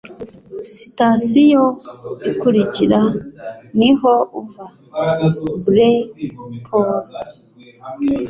Sitasiyo ikurikira niho uva. (blay_paul)